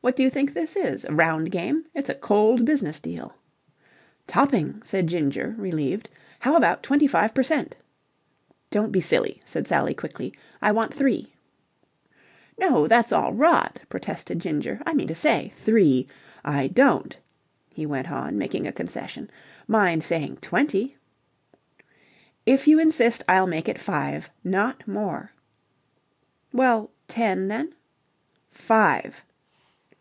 What do you think this is a round game? It's a cold business deal." "Topping!" said Ginger relieved. "How about twenty five per cent." "Don't be silly," said Sally quickly. "I want three." "No, that's all rot," protested Ginger. "I mean to say three. I don't," he went on, making a concession, "mind saying twenty." "If you insist, I'll make it five. Not more." "Well, ten, then?" "Five!"